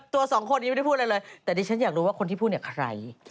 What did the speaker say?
ตัวสองคนนี้ไม่ได้พูดอะไรเลยแต่ดิฉันอยากรู้ว่าคนที่พูดเนี่ยใคร